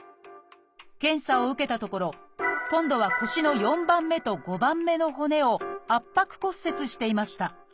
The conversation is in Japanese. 検査を受けたところ今度は腰の４番目と５番目の骨を圧迫骨折していました。